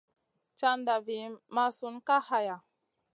Caʼnda vi mʼasun Kay haya.